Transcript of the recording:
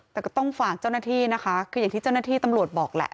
แต่ก็ต้องฝากเจ้าหน้าที่นะคะคืออย่างที่เจ้าหน้าที่ตำรวจบอกแหละ